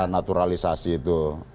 naturalisasi gitu ya